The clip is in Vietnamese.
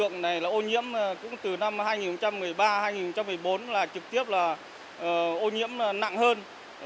năm hai nghìn một mươi ba hai nghìn một mươi bốn là trực tiếp là ô nhiễm nặng hơn